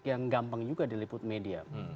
yang gampang juga diliput media